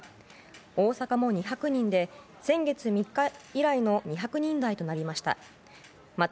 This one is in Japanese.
大阪も２００人で先月３日以来の２００人台となりました。